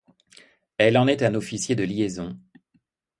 Elle en est un officier de liaison.